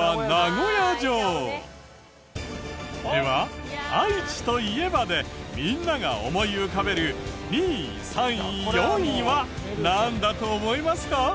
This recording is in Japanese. では愛知といえばでみんなが思い浮かべる２位３位４位はなんだと思いますか？